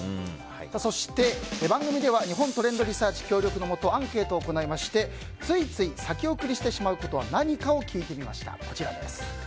そして、番組では日本トレンドリサーチ協力のもとアンケートを行いましてついつい先送りしてしまうことは何かを聞いてみました。